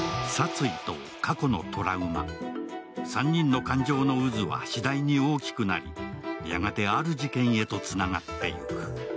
３人の感情の渦は次第に大きくなり、やがて、ある事件へとつながっていく。